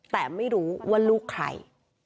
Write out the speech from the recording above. แต่ไม่รู้ว่าลูกใคร